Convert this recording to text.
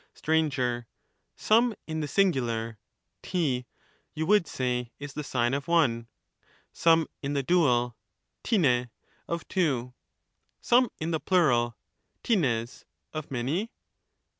Str. Some in the singular {r\) you would say is the sign of one, some in the dual (ripe)of two, some in the plural (riWff) of many?